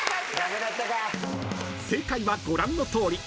［正解はご覧のとおり］